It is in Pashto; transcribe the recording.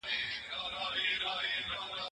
عمر د غلام لاس ونیوه.